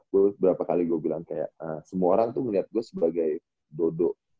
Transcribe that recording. gue berapa kali gue bilang kayak semua orang tuh ngeliat gue sebagai dodo